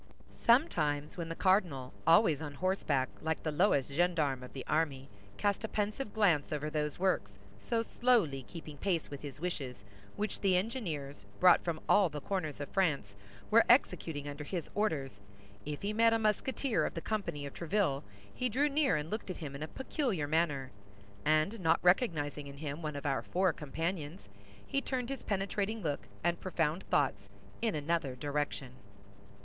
Sometimes when the cardinal, always on horseback, like the lowest gendarme of the army, cast a pensive glance over those works, so slowly keeping pace with his wishes, which the engineers, brought from all the corners of France, were executing under his orders, if he met a Musketeer of the company of Tréville, he drew near and looked at him in a peculiar manner, and not recognizing in him one of our four companions, he turned his penetrating look and profound thoughts in another direction.